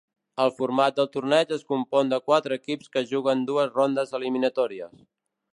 El format del torneig es compon de quatre equips que juguen dues rondes eliminatòries.